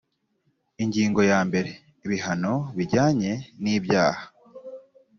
ingingo ya mbere ibihano bijyanye n ibyaha